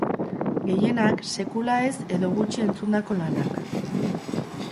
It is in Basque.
Gehienak sekula ez edo gutxi entzundako lanak.